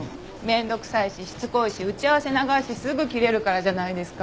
めんどくさいししつこいし打ち合わせ長いしすぐキレるからじゃないですか？